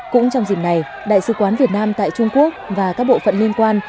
cũng trong dịp này đại sứ quán việt nam tại trung quốc và các bộ phận liên quan